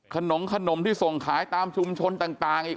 ขนมขนมที่ส่งขายตามชุมชนต่างอีก